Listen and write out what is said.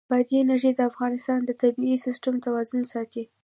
بادي انرژي د افغانستان د طبعي سیسټم توازن ساتي.